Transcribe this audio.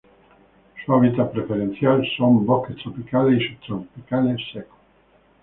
Su hábitat preferencial son bosques tropicales y subtropicales secos.